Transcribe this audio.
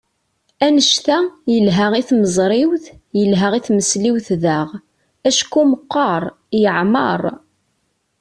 Annect-a, yelha i tmeẓriwt, yelha i tmesliwt daɣ, acku meqqer, yeɛmer.